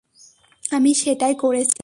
আমি সেটাই করেছি।